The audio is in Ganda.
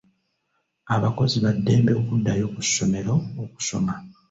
Abakozi ba ddembe okuddayo ku ssomero okusoma.